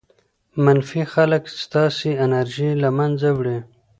منفي خلک ستاسې انرژي له منځه وړي.